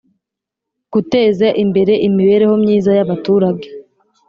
Guteza imbere imibereho myiza y abaturage